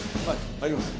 入ります。